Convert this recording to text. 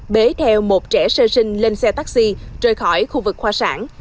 bế theo một trẻ sơ sinh lên xe taxi rời khỏi khu vực khoa sản